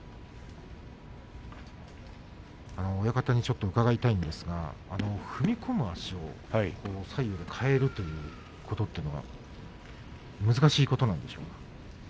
親方にちょっと伺いたいんですが踏み込む足を左右で変えるということは難しいことなんでしょうか？